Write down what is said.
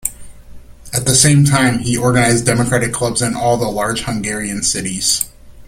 At the same time, he organized democratic clubs in all the large Hungarian cities.